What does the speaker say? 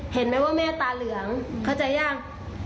เห็นไหมว่าแม่ตาเหลืองเข้าใจยัง